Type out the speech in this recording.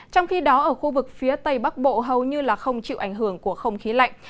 trong khi đó ở khu vực phía tây bắc bộ hầu như không chịu ảnh hưởng của không khí lạnh